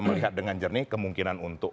melihat dengan jernih kemungkinan untuk